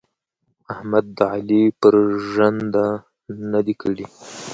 احمد د علي پر ژنده نه دي کړي.